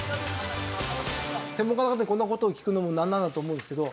専門家の方にこんな事を聞くのもなんなんだと思うんですけど。